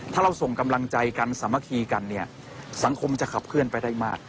ถ้าเราส่งกำลังใจกันสามัคคีกันเนี่ยสังคมจะขับเคลื่อนไปได้มาก